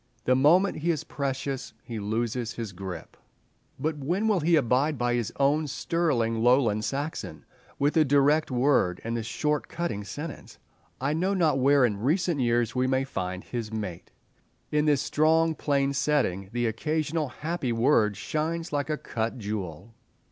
The moment he is precious he loses his grip. But when he will abide by his own sterling Lowland Saxon, with the direct word and the short, cutting sentence, I know not where in recent years we may find his mate. In this strong, plain setting the occasional happy word shines like a cut jewel.